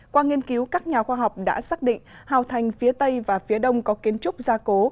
qua nghiên cứu các nhà khoa học đã xác định hào thành phía tây và phía đông có kiến trúc gia cố